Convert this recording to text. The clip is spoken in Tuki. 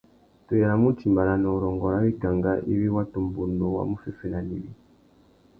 Tu yānamú utimbāna nà urrôngô râ wikangá iwí watu mbunu wá mú féffena nà iwí.